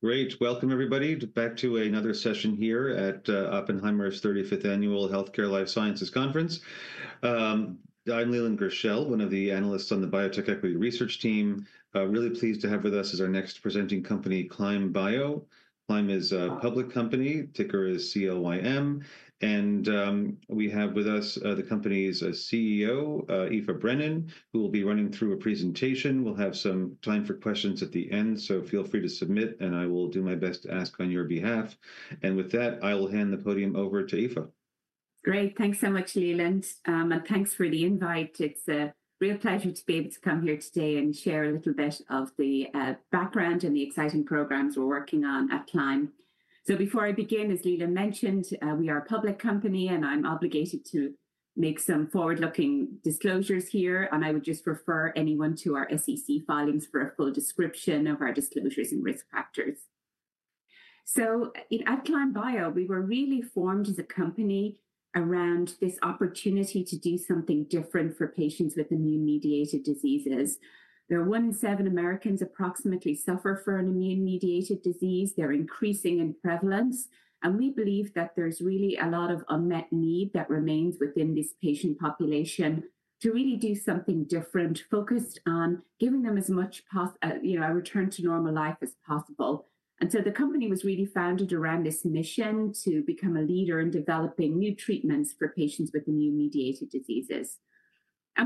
Great. Welcome, everybody, back to another session here at Oppenheimer's 35th Annual Healthcare Life Sciences Conference. I'm Leland Gershell, one of the analysts on the Biotech Equity Research Team. Really pleased to have with us as our next presenting company, Climb Bio. Climb is a public company. Ticker is CLYM. We have with us the company's CEO, Aoife Brennan, who will be running through a presentation. We'll have some time for questions at the end, so feel free to submit, and I will do my best to ask on your behalf. With that, I will hand the podium over to Aoife. Great. Thanks so much, Leland. Thanks for the invite. It's a real pleasure to be able to come here today and share a little bit of the background and the exciting programs we're working on at Climb. Before I begin, as Leland mentioned, we are a public company, and I'm obligated to make some forward-looking disclosures here. I would just refer anyone to our SEC filings for a full description of our disclosures and risk factors. At Climb Bio, we were really formed as a company around this opportunity to do something different for patients with immune-mediated diseases. There are one in seven Americans approximately suffering from an immune-mediated disease. They're increasing in prevalence. We believe that there's really a lot of unmet need that remains within this patient population to really do something different, focused on giving them as much of a return to normal life as possible. The company was really founded around this mission to become a leader in developing new treatments for patients with immune-mediated diseases.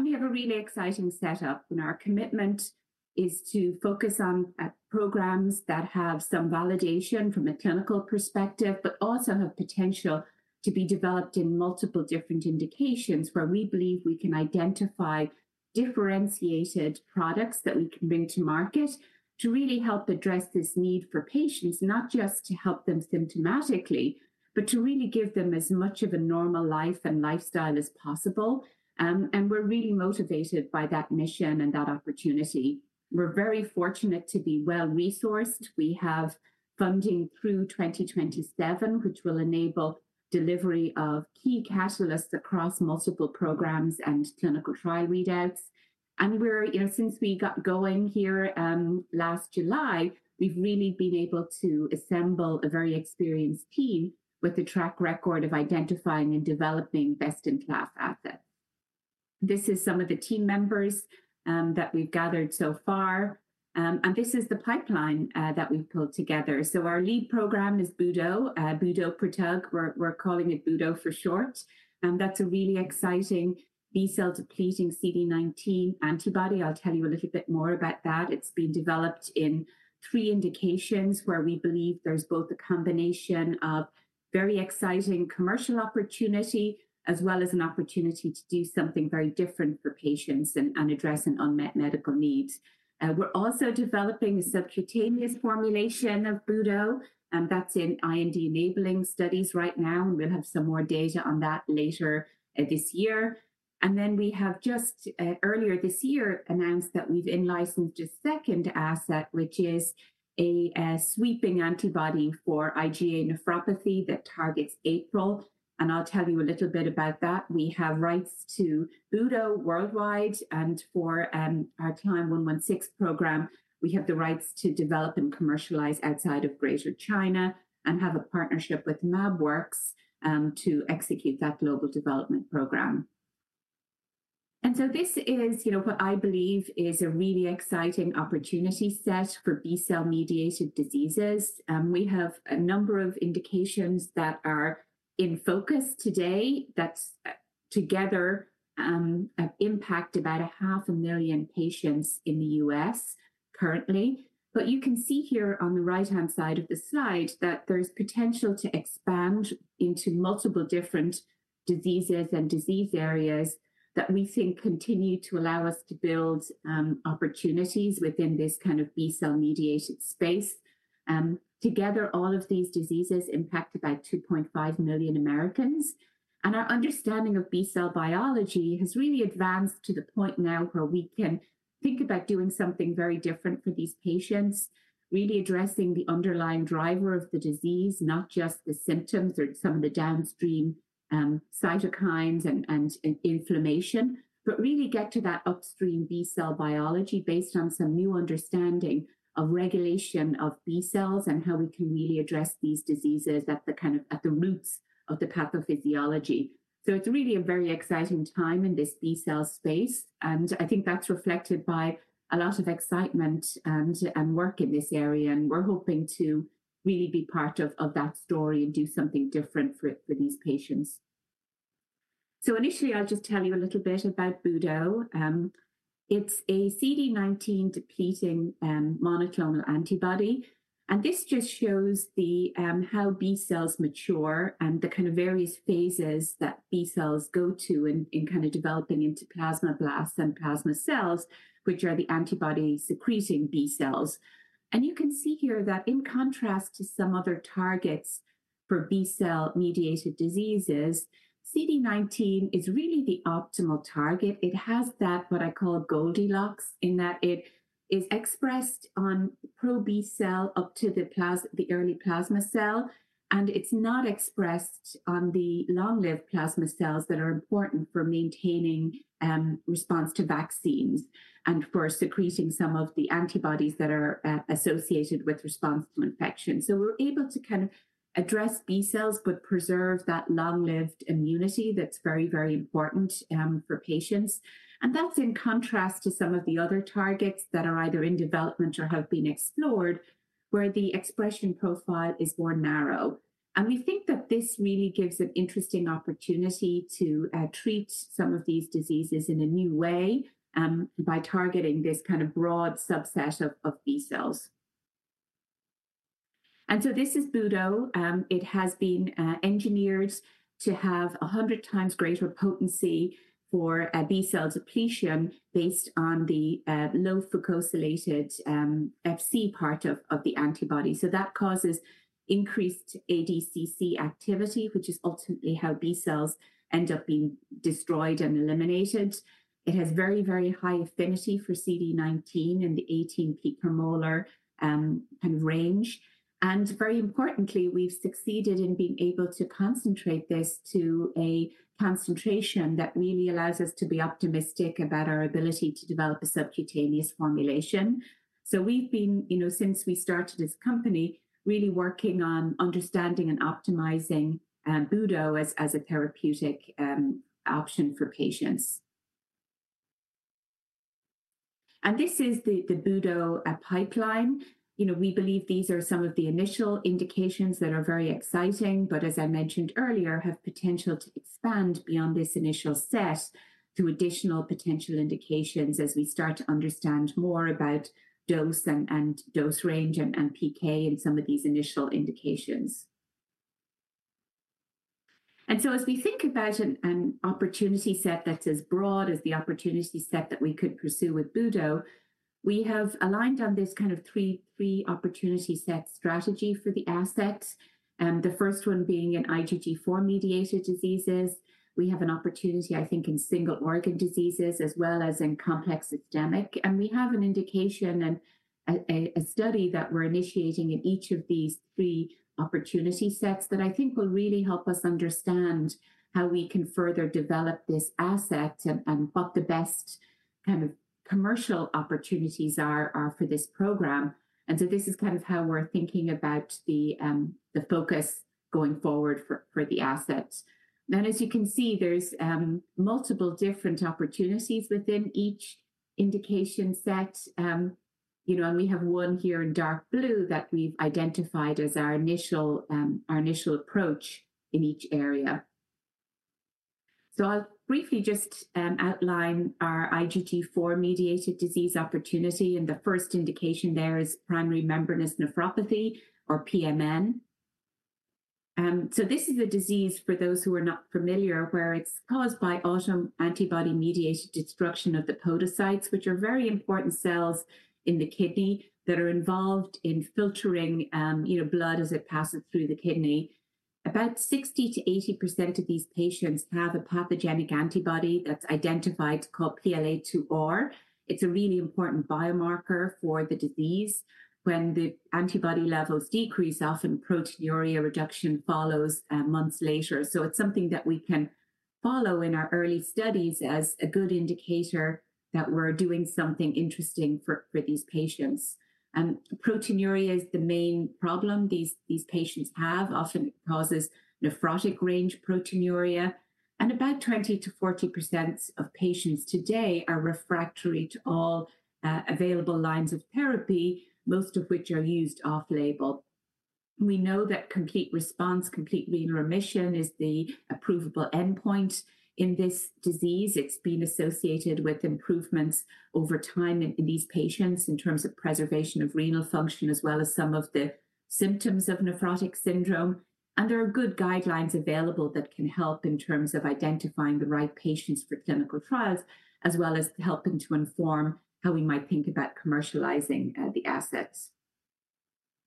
We have a really exciting setup. Our commitment is to focus on programs that have some validation from a clinical perspective, but also have potential to be developed in multiple different indications, where we believe we can identify differentiated products that we can bring to market to really help address this need for patients, not just to help them symptomatically, but to really give them as much of a normal life and lifestyle as possible. We're really motivated by that mission and that opportunity. We're very fortunate to be well-resourced. We have funding through 2027, which will enable delivery of key catalysts across multiple programs and clinical trial readouts. Since we got going here last July, we've really been able to assemble a very experienced team with the track record of identifying and developing best-in-class assets. This is some of the team members that we've gathered so far. This is the pipeline that we've pulled together. Our lead program is Budo, Budoprutug. We're calling it Budo for short. That's a really exciting B-cell-depleting CD19 antibody. I'll tell you a little bit more about that. It's been developed in three indications, where we believe there's both a combination of very exciting commercial opportunity, as well as an opportunity to do something very different for patients and address an unmet medical need. We're also developing a subcutaneous formulation of Budo, and that's in IND-enabling studies right now. We'll have some more data on that later this year. We have just earlier this year announced that we've enlicensed a second asset, which is a sweeping antibody for IgA nephropathy that targets APRIL. I'll tell you a little bit about that. We have rights to Budo worldwide. For our CLYM116 program, we have the rights to develop and commercialize outside of Greater China and have a partnership with Mab to execute that global development program. This is what I believe is a really exciting opportunity set for B-cell-mediated diseases. We have a number of indications that are in focus today that together impact about 500,000 patients in the US currently. You can see here on the right-hand side of the slide that there's potential to expand into multiple different diseases and disease areas that we think continue to allow us to build opportunities within this kind of B-cell-mediated space. Together, all of these diseases impact about 2.5 million Americans. Our understanding of B-cell biology has really advanced to the point now where we can think about doing something very different for these patients, really addressing the underlying driver of the disease, not just the symptoms or some of the downstream cytokines and inflammation, but really get to that upstream B-cell biology based on some new understanding of regulation of B-cells and how we can really address these diseases at the roots of the pathophysiology. It is really a very exciting time in this B-cell space. I think that's reflected by a lot of excitement and work in this area. We're hoping to really be part of that story and do something different for these patients. Initially, I'll just tell you a little bit about Budo. It's a CD19-depleting monoclonal antibody. This just shows how B-cells mature and the kind of various phases that B-cells go to in kind of developing into plasma blasts and plasma cells, which are the antibody-secreting B-cells. You can see here that in contrast to some other targets for B-cell-mediated diseases, CD19 is really the optimal target. It has that what I call Goldilocks, in that it is expressed on pro-B cell up to the early plasma cell. It is not expressed on the long-lived plasma cells that are important for maintaining response to vaccines and for secreting some of the antibodies that are associated with response to infection. We are able to kind of address B-cells but preserve that long-lived immunity that is very, very important for patients. That is in contrast to some of the other targets that are either in development or have been explored, where the expression profile is more narrow. We think that this really gives an interesting opportunity to treat some of these diseases in a new way by targeting this kind of broad subset of B-cells. This is Budo. It has been engineered to have 100 times greater potency for B-cell depletion based on the low-fucosylated Fc part of the antibody. That causes increased ADCC activity, which is ultimately how B-cells end up being destroyed and eliminated. It has very, very high affinity for CD19 in the 18 picomolar kind of range. Very importantly, we've succeeded in being able to concentrate this to a concentration that really allows us to be optimistic about our ability to develop a subcutaneous formulation. We've been, since we started as a company, really working on understanding and optimizing Budo as a therapeutic option for patients. This is the Budo pipeline. We believe these are some of the initial indications that are very exciting, but as I mentioned earlier, have potential to expand beyond this initial set to additional potential indications as we start to understand more about dose and dose range and PK in some of these initial indications. As we think about an opportunity set that's as broad as the opportunity set that we could pursue with Budo, we have aligned on this kind of three opportunity set strategy for the assets, the first one being in IgG4-mediated diseases. We have an opportunity, I think, in single-organ diseases as well as in complex systemic. We have an indication and a study that we're initiating in each of these three opportunity sets that I think will really help us understand how we can further develop this asset and what the best kind of commercial opportunities are for this program. This is kind of how we're thinking about the focus going forward for the assets. You can see there's multiple different opportunities within each indication set. We have one here in dark blue that we've identified as our initial approach in each area. I'll briefly just outline our IgG4-mediated disease opportunity. The first indication there is primary membranous nephropathy, or PMN. This is a disease, for those who are not familiar, where it's caused by autoantibody-mediated destruction of the podocytes, which are very important cells in the kidney that are involved in filtering blood as it passes through the kidney. About 60%-80% of these patients have a pathogenic antibody that's identified called PLA2R. It's a really important biomarker for the disease. When the antibody levels decrease, often proteinuria reduction follows months later. It's something that we can follow in our early studies as a good indicator that we're doing something interesting for these patients. Proteinuria is the main problem these patients have. Often it causes nephrotic-range proteinuria. About 20%-40% of patients today are refractory to all available lines of therapy, most of which are used off-label. We know that complete response, complete renal remission, is the provable endpoint in this disease. It has been associated with improvements over time in these patients in terms of preservation of renal function, as well as some of the symptoms of nephrotic syndrome. There are good guidelines available that can help in terms of identifying the right patients for clinical trials, as well as helping to inform how we might think about commercializing the assets.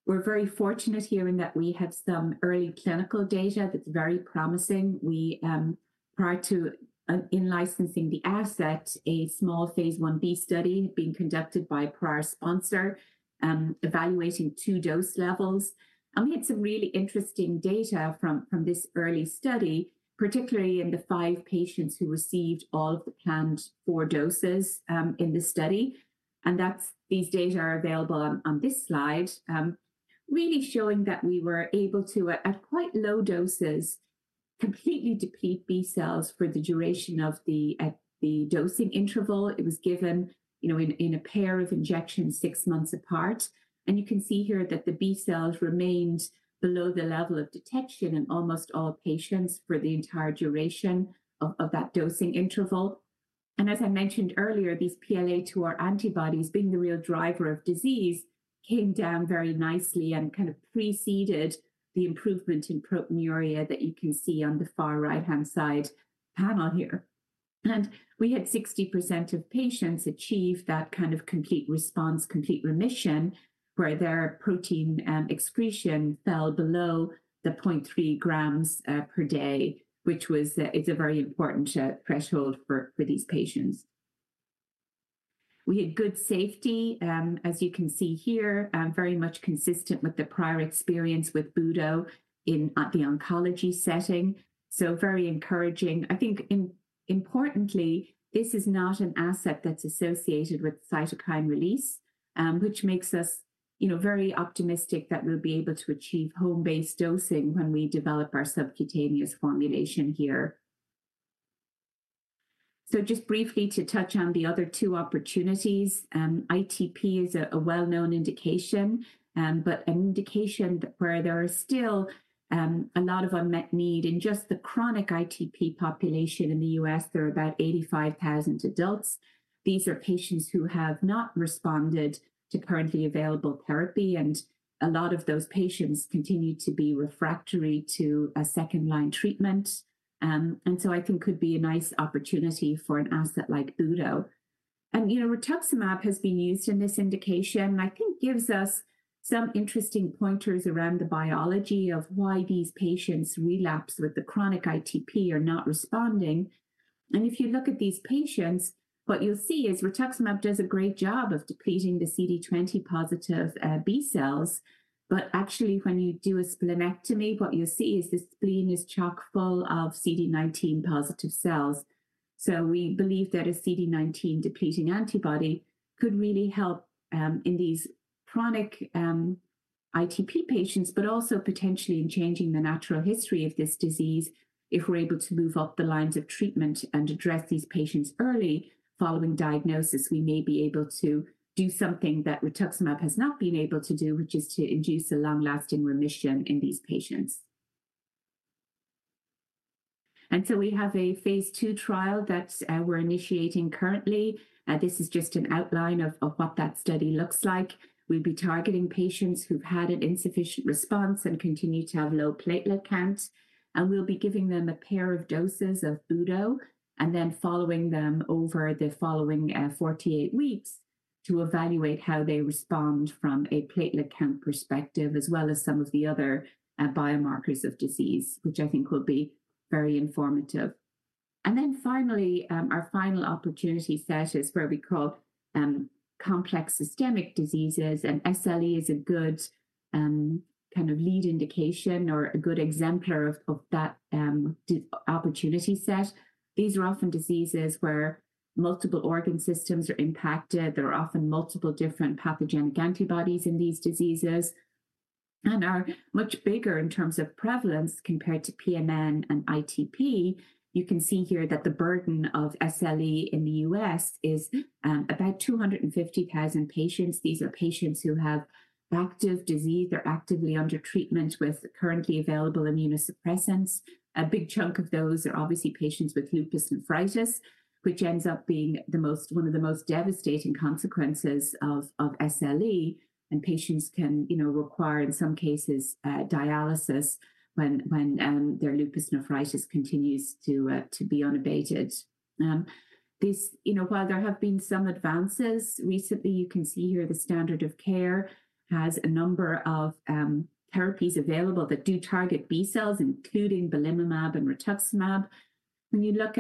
We are very fortunate here in that we have some early clinical data that is very promising. Prior to enlicensing the asset, a small phase 1B study had been conducted by a prior sponsor evaluating two dose levels. We had some really interesting data from this early study, particularly in the five patients who received all of the planned four doses in the study. These data are available on this slide, really showing that we were able to, at quite low doses, completely deplete B-cells for the duration of the dosing interval. It was given in a pair of injections six months apart. You can see here that the B-cells remained below the level of detection in almost all patients for the entire duration of that dosing interval. As I mentioned earlier, these PLA2R antibodies, being the real driver of disease, came down very nicely and kind of preceded the improvement in proteinuria that you can see on the far right-hand side panel here. We had 60% of patients achieve that kind of complete response, complete remission, where their protein excretion fell below the 0.3 grams per day, which is a very important threshold for these patients. We had good safety, as you can see here, very much consistent with the prior experience with Budo in the oncology setting. Very encouraging. I think, importantly, this is not an asset that's associated with cytokine release, which makes us very optimistic that we'll be able to achieve home-based dosing when we develop our subcutaneous formulation here. Just briefly to touch on the other two opportunities, ITP is a well-known indication, but an indication where there is still a lot of unmet need. In just the chronic ITP population in the U.S., there are about 85,000 adults. These are patients who have not responded to currently available therapy. A lot of those patients continue to be refractory to a second-line treatment. I think it could be a nice opportunity for an asset like Budo. Rituximab has been used in this indication, and I think it gives us some interesting pointers around the biology of why these patients relapse with the chronic ITP or are not responding. If you look at these patients, what you'll see is rituximab does a great job of depleting the CD20-positive B-cells. Actually, when you do a splenectomy, what you see is the spleen is chock-full of CD19-positive cells. We believe that a CD19-depleting antibody could really help in these chronic ITP patients, but also potentially in changing the natural history of this disease. If we're able to move up the lines of treatment and address these patients early following diagnosis, we may be able to do something that rituximab has not been able to do, which is to induce a long-lasting remission in these patients. We have a phase 2 trial that we're initiating currently. This is just an outline of what that study looks like. We'll be targeting patients who've had an insufficient response and continue to have low platelet counts. We'll be giving them a pair of doses of Budo and then following them over the following 48 weeks to evaluate how they respond from a platelet count perspective, as well as some of the other biomarkers of disease, which I think will be very informative. Finally, our final opportunity set is where we call complex systemic diseases. SLE is a good kind of lead indication or a good exemplar of that opportunity set. These are often diseases where multiple organ systems are impacted. There are often multiple different pathogenic antibodies in these diseases and are much bigger in terms of prevalence compared to PMN and ITP. You can see here that the burden of SLE in the U.S. is about 250,000 patients. These are patients who have active disease or actively under treatment with currently available immunosuppressants. A big chunk of those are obviously patients with lupus nephritis, which ends up being one of the most devastating consequences of SLE. Patients can require, in some cases, dialysis when their lupus nephritis continues to be unabated. While there have been some advances recently, you can see here the standard of care has a number of therapies available that do target B-cells, including belimumab and rituximab. When you look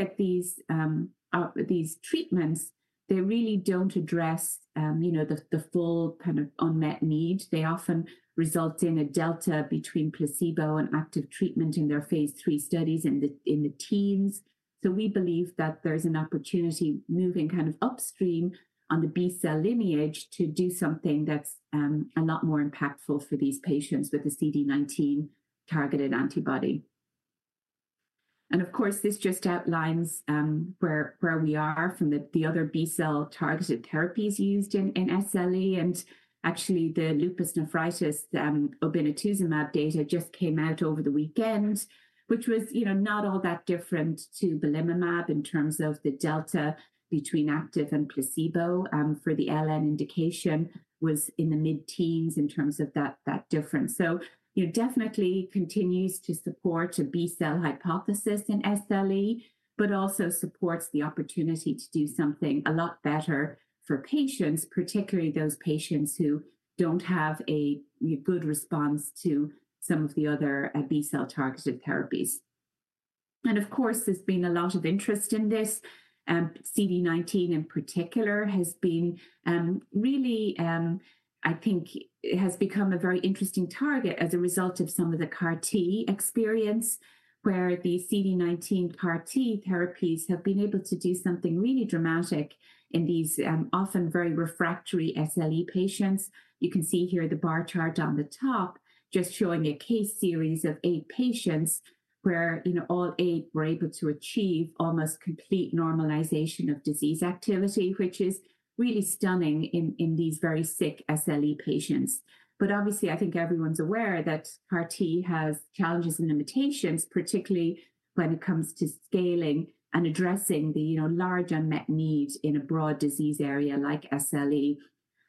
at these treatments, they really don't address the full kind of unmet need. They often result in a delta between placebo and active treatment in their phase 3 studies in the teens. We believe that there's an opportunity moving kind of upstream on the B-cell lineage to do something that's a lot more impactful for these patients with the CD19-targeted antibody. This just outlines where we are from the other B-cell targeted therapies used in SLE. Actually, the lupus nephritis obinutuzumab data just came out over the weekend, which was not all that different to belimumab in terms of the delta between active and placebo. For the LN indication, it was in the mid-teens in terms of that difference. It definitely continues to support a B-cell hypothesis in SLE, but also supports the opportunity to do something a lot better for patients, particularly those patients who do not have a good response to some of the other B-cell targeted therapies. Of course, there has been a lot of interest in this. CD19, in particular, has been really, I think, has become a very interesting target as a result of some of the CAR-T experience, where the CD19 CAR-T therapies have been able to do something really dramatic in these often very refractory SLE patients. You can see here the bar chart on the top just showing a case series of eight patients where all eight were able to achieve almost complete normalization of disease activity, which is really stunning in these very sick SLE patients. Obviously, I think everyone's aware that CAR-T has challenges and limitations, particularly when it comes to scaling and addressing the large unmet need in a broad disease area like SLE.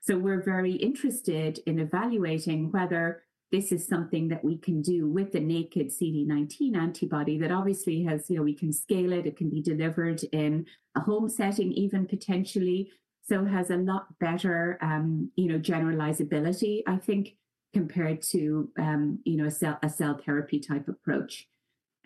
We are very interested in evaluating whether this is something that we can do with a naked CD19 antibody that obviously we can scale. It can be delivered in a home setting even potentially. It has a lot better generalizability, I think, compared to a cell therapy type approach.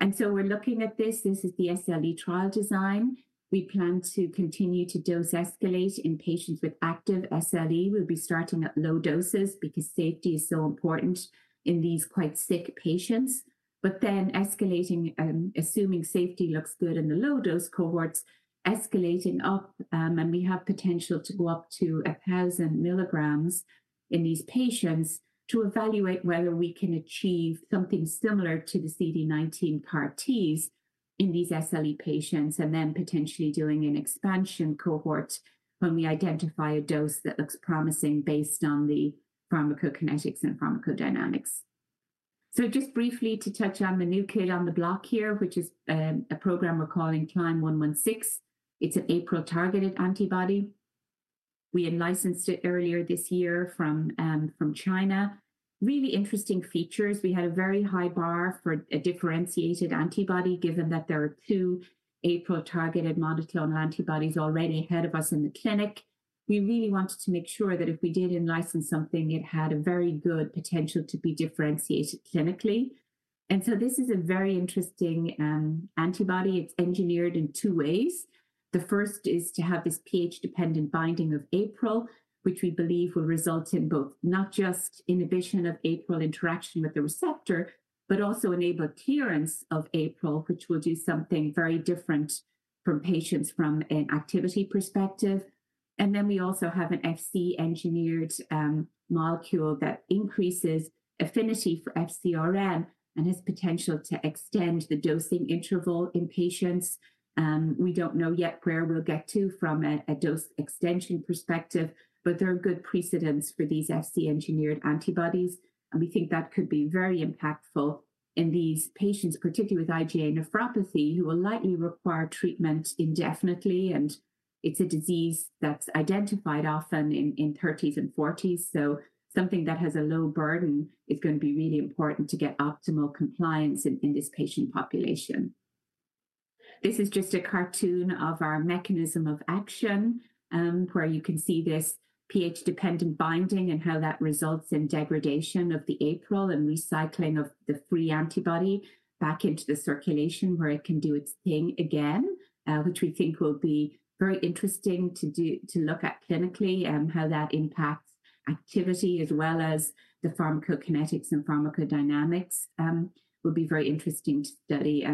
We are looking at this. This is the SLE trial design. We plan to continue to dose escalate in patients with active SLE. We will be starting at low doses because safety is so important in these quite sick patients. Then escalating, assuming safety looks good in the low-dose cohorts, escalating up, and we have potential to go up to 1,000 milligrams in these patients to evaluate whether we can achieve something similar to the CD19 CAR-Ts in these SLE patients, and then potentially doing an expansion cohort when we identify a dose that looks promising based on the pharmacokinetics and pharmacodynamics. Just briefly to touch on the new kid on the block here, which is a program we're calling CLYM116. It's an APRIL targeted antibody. We enlicensed it earlier this year from China. Really interesting features. We had a very high bar for a differentiated antibody, given that there are two APRIL targeted monoclonal antibodies already ahead of us in the clinic. We really wanted to make sure that if we did enlicense something, it had a very good potential to be differentiated clinically. This is a very interesting antibody. It's engineered in two ways. The first is to have this pH-dependent binding of APRIL, which we believe will result in both not just inhibition of APRIL interaction with the receptor, but also enable clearance of APRIL, which will do something very different for patients from an activity perspective. We also have an Fc engineered molecule that increases affinity for FcRM and has potential to extend the dosing interval in patients. We don't know yet where we'll get to from a dose extension perspective, but there are good precedents for these Fc engineered antibodies. We think that could be very impactful in these patients, particularly with IgA nephropathy, who will likely require treatment indefinitely. It's a disease that's identified often in 30s and 40s. Something that has a low burden is going to be really important to get optimal compliance in this patient population. This is just a cartoon of our mechanism of action, where you can see this pH-dependent binding and how that results in degradation of the APRIL and recycling of the free antibody back into the circulation where it can do its thing again, which we think will be very interesting to look at clinically and how that impacts activity as well as the pharmacokinetics and pharmacodynamics will be very interesting to study.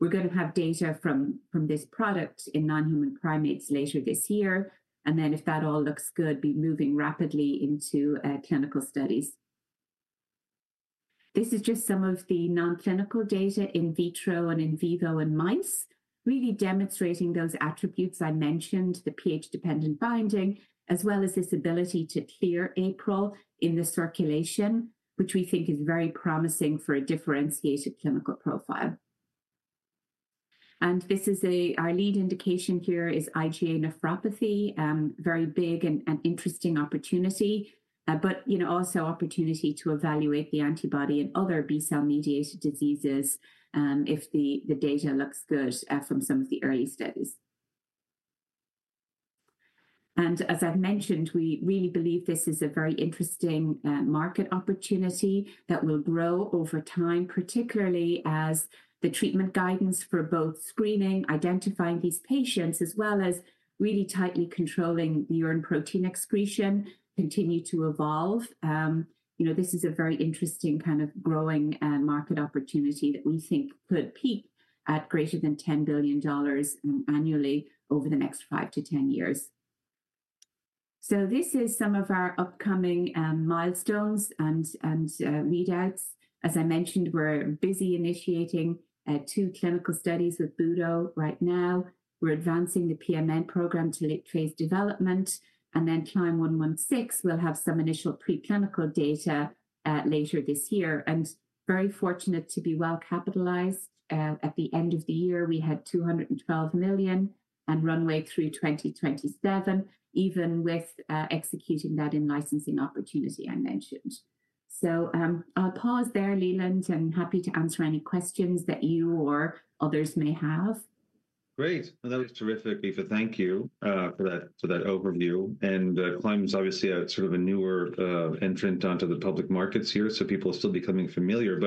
We are going to have data from this product in non-human primates later this year. If that all looks good, be moving rapidly into clinical studies. This is just some of the non-clinical data in vitro and in vivo in mice, really demonstrating those attributes I mentioned, the pH-dependent binding, as well as this ability to clear APRIL in the circulation, which we think is very promising for a differentiated clinical profile. This is our lead indication here is IgA nephropathy, very big and interesting opportunity, but also opportunity to evaluate the antibody in other B-cell mediated diseases if the data looks good from some of the early studies. As I've mentioned, we really believe this is a very interesting market opportunity that will grow over time, particularly as the treatment guidance for both screening, identifying these patients, as well as really tightly controlling the urine protein excretion continue to evolve. This is a very interesting kind of growing market opportunity that we think could peak at greater than $10 billion annually over the next 5 to 10 years. This is some of our upcoming milestones and readouts. As I mentioned, we're busy initiating two clinical studies with Budo right now. We're advancing the PMN program to late phase development. CLIMB116 will have some initial preclinical data later this year. Very fortunate to be well capitalized. At the end of the year, we had $212 million and runway through 2027, even with executing that enlicensing opportunity I mentioned. I'll pause there, Leland, and happy to answer any questions that you or others may have. Great. That was terrific. Aoife, thank you for that overview. CLIMB's obviously a sort of a newer entrant onto the public markets here, so people are still becoming familiar.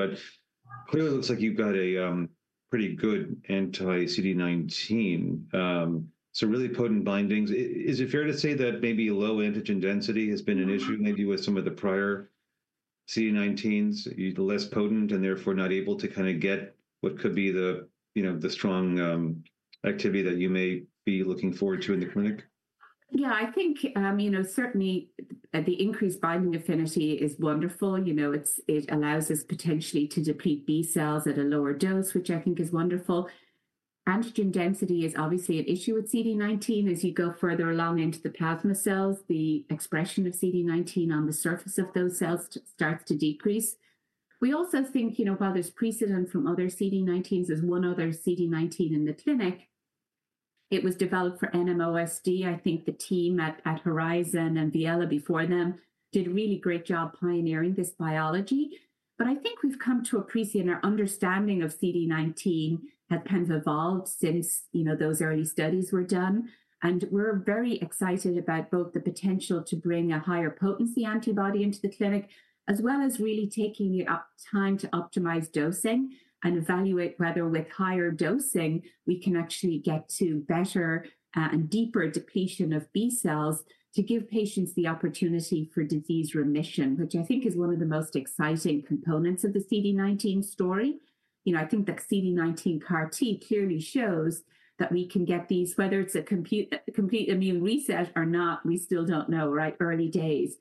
Clearly, it looks like you've got a pretty good anti-CD19, so really potent bindings. Is it fair to say that maybe low antigen density has been an issue maybe with some of the prior CD19s, the less potent and therefore not able to kind of get what could be the strong activity that you may be looking forward to in the clinic? Yeah, I think certainly the increased binding affinity is wonderful. It allows us potentially to deplete B-cells at a lower dose, which I think is wonderful. Antigen density is obviously an issue with CD19. As you go further along into the plasma cells, the expression of CD19 on the surface of those cells starts to decrease. We also think, while there's precedent from other CD19s, there's one other CD19 in the clinic. It was developed for NMOSD. I think the team at Horizon and Viella before them did a really great job pioneering this biology. I think we've come to a precedent. Our understanding of CD19 has kind of evolved since those early studies were done. We're very excited about both the potential to bring a higher potency antibody into the clinic, as well as really taking the time to optimize dosing and evaluate whether with higher dosing, we can actually get to better and deeper depletion of B-cells to give patients the opportunity for disease remission, which I think is one of the most exciting components of the CD19 story. I think that CD19 CAR-T clearly shows that we can get these, whether it's a complete immune reset or not, we still don't know, right? Early days.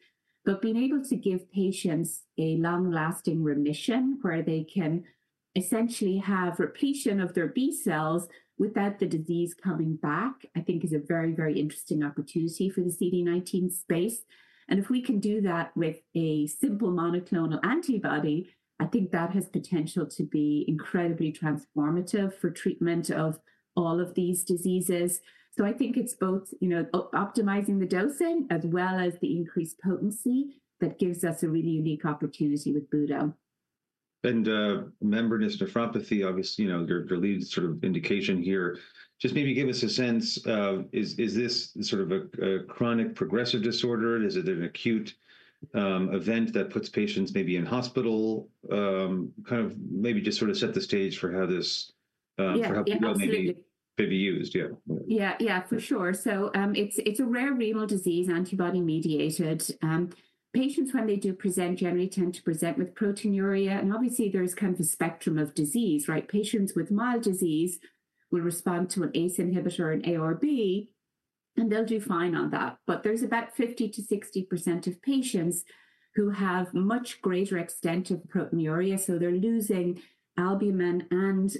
Being able to give patients a long-lasting remission where they can essentially have repletion of their B-cells without the disease coming back, I think is a very, very interesting opportunity for the CD19 space. If we can do that with a simple monoclonal antibody, I think that has potential to be incredibly transformative for treatment of all of these diseases. I think it is both optimizing the dosing as well as the increased potency that gives us a really unique opportunity with Budo. Membranous nephropathy, obviously, your lead sort of indication here, just maybe give us a sense, is this sort of a chronic progressive disorder? Is it an acute event that puts patients maybe in hospital? Kind of maybe just sort of set the stage for how this may be used. Yeah, absolutely. Yeah, yeah, for sure. It is a rare renal disease, antibody mediated. Patients, when they do present, generally tend to present with proteinuria. Obviously, there is kind of a spectrum of disease, right? Patients with mild disease will respond to an ACE inhibitor, an ARB, and they will do fine on that. There is about 50%-60% of patients who have much greater extent of proteinuria. They are losing albumin and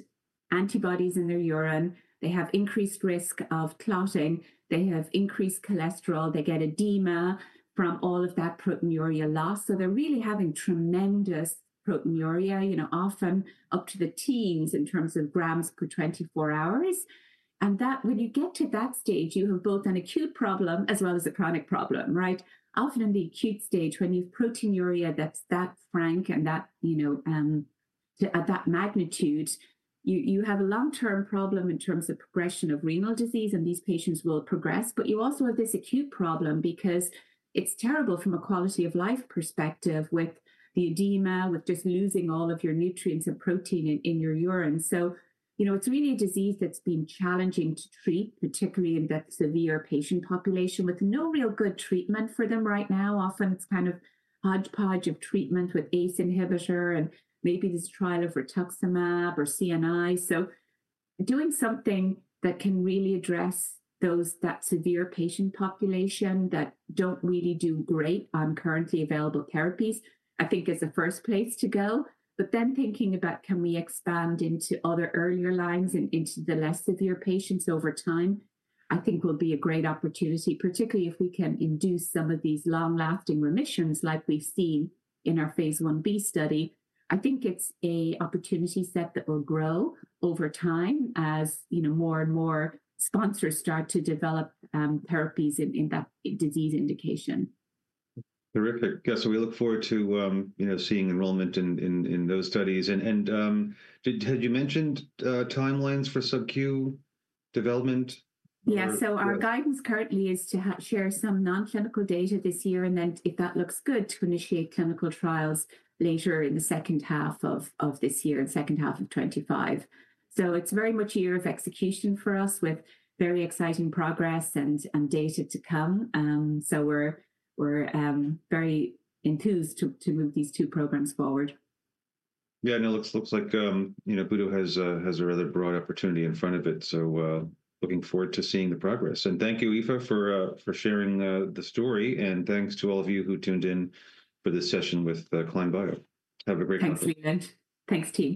antibodies in their urine. They have increased risk of clotting. They have increased cholesterol. They get edema from all of that proteinuria loss. They are really having tremendous proteinuria, often up to the teens in terms of grams per 24 hours. When you get to that stage, you have both an acute problem as well as a chronic problem, right? Often in the acute stage, when you have proteinuria that's that frank and that magnitude, you have a long-term problem in terms of progression of renal disease, and these patients will progress. You also have this acute problem because it's terrible from a quality of life perspective with the edema, with just losing all of your nutrients and protein in your urine. It is really a disease that's been challenging to treat, particularly in that severe patient population with no real good treatment for them right now. Often it's kind of hodgepodge of treatment with ACE inhibitor and maybe this trial of rituximab or CNI. Doing something that can really address that severe patient population that don't really do great on currently available therapies, I think, is the first place to go. But then thinking about, can we expand into other earlier lines and into the less severe patients over time, I think will be a great opportunity, particularly if we can induce some of these long-lasting remissions like we've seen in our phase I B study. I think it's an opportunity set that will grow over time as more and more sponsors start to develop therapies in that disease indication. Terrific. We look forward to seeing enrollment in those studies. Had you mentioned timelines for subQ development? Yeah, our guidance currently is to share some non-clinical data this year and then, if that looks good, to initiate clinical trials later in the second half of this year, the second half of 2025. It's very much a year of execution for us with very exciting progress and data to come. We are very enthused to move these two programs forward. Yeah, and it looks like Budo has a rather broad opportunity in front of it. Looking forward to seeing the progress. Thank you, Aoife, for sharing the story. Thanks to all of you who tuned in for this session with Climb Bio. Have a great night. Thanks, Leland. Thanks, Peter.